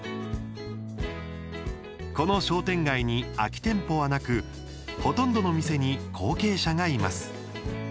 この商店街に空き店舗はなくほとんどの店に後継者がいます。